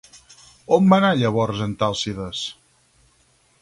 On va anar llavors Antàlcides?